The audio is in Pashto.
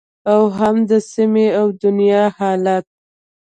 او هم د سیمې او دنیا حالت